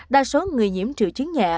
đa số người nhiễm trừ chiến nhẹ